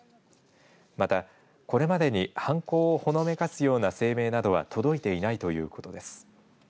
また、これまでに犯行をほのめかすような声明などは届いていないということです。